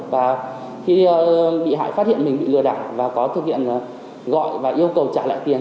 và khi bị hại phát hiện mình bị lừa đảo và có thực hiện gọi và yêu cầu trả lại tiền